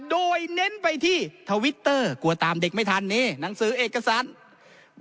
โดยเน้นไปที่ทวิตเตอร์กลัวตามเด็กไม่ทันนี่หนังสือเอกสาร